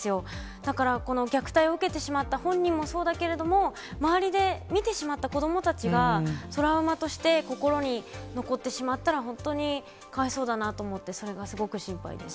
だから、この虐待を受けてしまった本人もそうだけれども、周りで見てしまった子どもたちが、トラウマとして心に残ってしまったら、本当にかわいそうだなと思って、それがすごく心配です。